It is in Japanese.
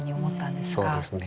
そうですね。